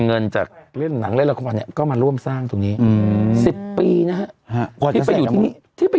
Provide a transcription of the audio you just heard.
เงินจากเล่นหนังเล่นละครเนี่ยก็มาร่วมสร้างตรงนี้๑๐ปีนะฮะที่ไปอยู่ที่นี่ที่ไป